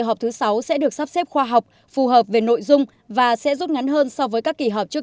kỳ họp thứ sáu sẽ được sắp xếp khoa học phù hợp về nội dung và sẽ rút ngắn hơn so với các kỳ họp trước